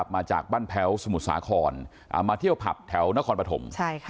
มาจากบ้านแพ้วสมุทรสาครมาเที่ยวผับแถวนครปฐม